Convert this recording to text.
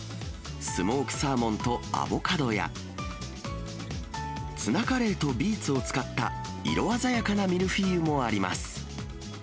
スモークサーモンとアボカドや、ツナカレーとビーツを使った色鮮やかなミルフィーユもあります。